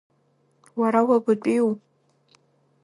Уара уабатәиу?